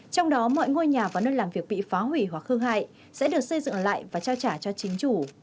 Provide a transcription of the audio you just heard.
trong đó mọi ngôi nhà và nơi làm việc bị phá hủy hoặc hư hại sẽ được xây dựng lại và trao trả cho chính chủ